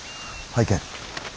拝見。